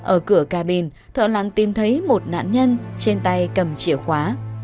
ở cửa cabin thợ lặn tìm thấy một nạn nhân trên tay cầm chìa khóa